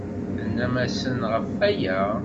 Tennam-asen ɣef waya?